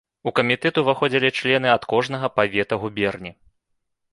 У камітэт уваходзілі члены ад кожнага павета губерні.